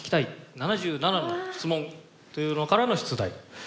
７７の質問」というのからの出題。